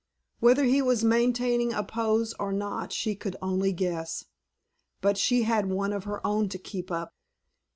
Whether he was maintaining a pose or not she could only guess, but she had one of her own to keep up.